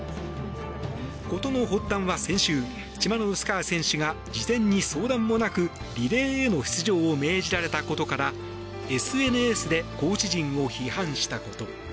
事の発端は先週チマノウスカヤ選手が事前に相談もなくリレーへの出場を命じられたことからＳＮＳでコーチ陣を批判したこと。